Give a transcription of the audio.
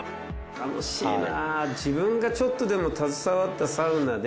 楽しいな自分がちょっとでも携わったサウナで。